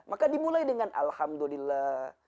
maka dimulai dengan alhamdulillah